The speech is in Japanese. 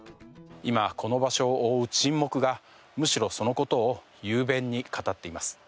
今この場所を覆う沈黙がむしろその事を雄弁に語っています。